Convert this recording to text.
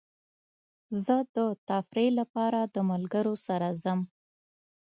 زه د تفریح لپاره د ملګرو سره ځم.